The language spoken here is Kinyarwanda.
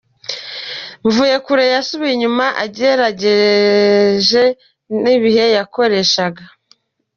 Mvuyekure yasubiye inyuma ugereranyije n’ibihe yakoreshaga.